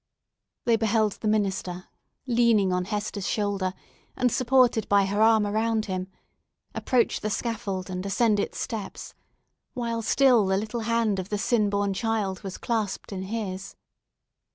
They beheld the minister, leaning on Hester's shoulder, and supported by her arm around him, approach the scaffold, and ascend its steps; while still the little hand of the sin born child was clasped in his.